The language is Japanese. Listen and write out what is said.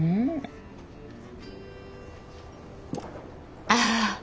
ああ。